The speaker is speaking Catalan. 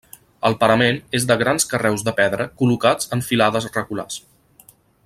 El parament és de grans carreus de pedra col·locats en filades regulars.